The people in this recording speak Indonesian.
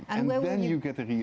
maka itu menambahkan masalah